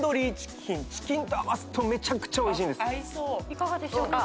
いかがでしょうか？